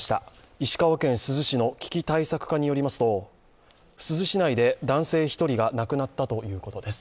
石川県珠洲市の危機対策課によりますと珠洲市内で男性１人が亡くなったということです。